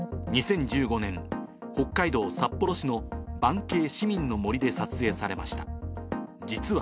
２０１５年、北海道札幌市の盤渓市民の森で撮影されました。